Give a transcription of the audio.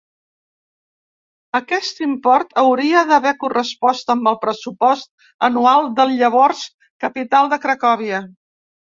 Aquest import hauria d'haver correspost amb el pressupost anual del llavors capital de Cracòvia.